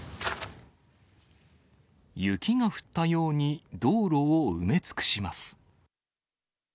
雪が降ったように道路を埋め尽くします。